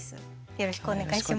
よろしくお願いします。